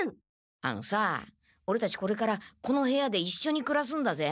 あのさオレたちこれからこの部屋でいっしょにくらすんだぜ。